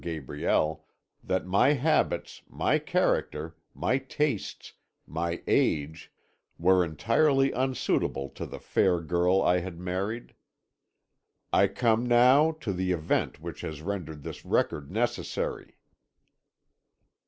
Gabriel that my habits, my character, my tastes, my age, were entirely unsuitable to the fair girl I had married. I come now to the event which has rendered this record necessary."